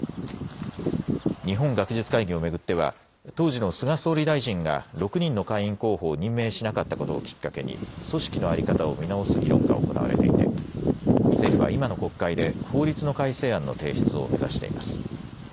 日本学術会議を巡っては、当時の菅総理大臣が６人の会員候補を任命しなかったことをきっかけに組織の在り方を見直す議論が行われていて、政府は今の国会で法律の改正案の提出を目指しています。